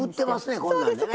こんなんでね。